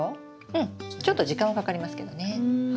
ちょっと時間はかかりますけどね。